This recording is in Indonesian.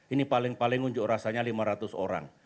ini paling paling unjuk rasanya lima ratus orang